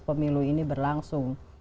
pemilu ini berlangsung